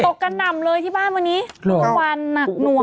ตกกันหน่ำเลยที่บ้านวันนี้ทุกวันหนักหนวงมาก